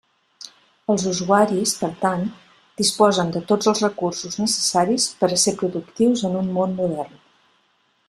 Els usuaris, per tant, disposen de tots els recursos necessaris per a ser productius en un món modern.